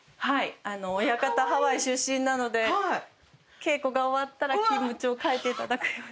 親方ハワイ出身なので稽古が終わったら気持ちを変えていただくように。